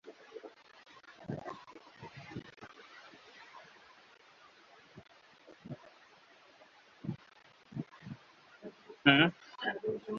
ভারতের নিরাপত্তা বাজেট দক্ষিণ এশিয়া অঞ্চলে বৃহত্তম।